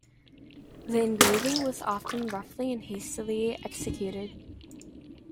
The engraving was often roughly and hastily executed.